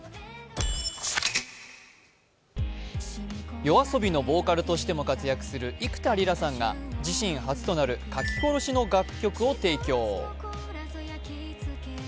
ＹＯＡＳＯＢＩのボーカルとしても活躍する幾田りらさんが自身初の楽曲提供をしました。